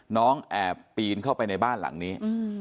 น้องแอบปีนเข้าไปในบ้านหลังนี้